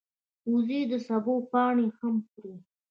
وزې د سبو پاڼې هم خوري